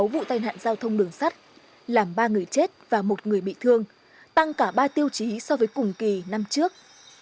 sáu vụ tai nạn giao thông đường sắt làm ba người chết và một người bị thương tăng cả ba tiêu chí so với cùng kỳ năm trước